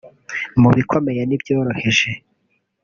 mu bikomeye n’ibyoroheje